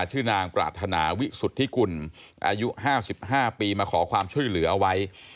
ชื่อนางปรารถนาวิสุทธิกุลอายุ๕๕ปีมาขอความช่วยเหลือเอาไว้